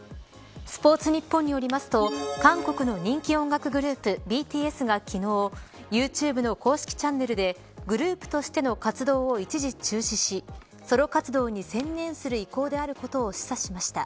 スポーツニッポンによりますと韓国の人気音楽グループＢＴＳが昨日ユーチューブの公式チャンネルでグループとしての活動を一時中止しソロ活動に専念する意向であることを示唆しました。